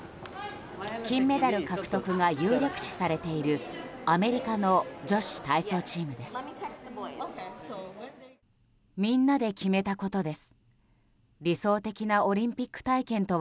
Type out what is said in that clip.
金メダル獲得が有力視されているアメリカの女子体操チームです。